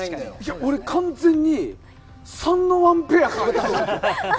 俺完全に３のワンペアかと思って。